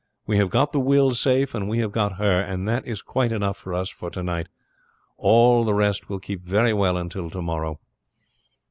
We have got the will safe, and we have got her; that is quite enough for us for to night, all the rest will keep very well until to morrow."